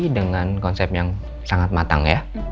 dengan konsep yang sangat matang ya